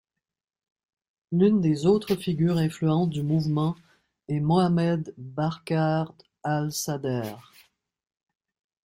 L'une des autres figures influentes du mouvement est Mohammed Bakr al-Sadr.